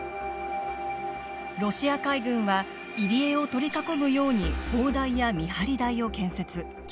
ロシア海軍は入り江を取り囲むように砲台や見張り台を建設。